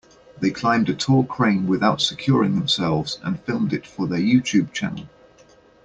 They climbed a tall crane without securing themselves and filmed it for their YouTube channel.